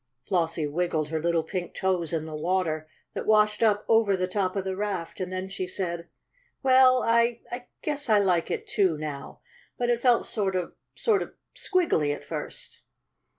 Flossie wiggled her little pink toes in the water that washed up over the top of the raft, and then she said: "Well, I I guess I like it too, now. But it felt sort of sort of squiggily at first."